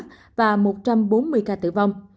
ba trăm bốn mươi ca tử vong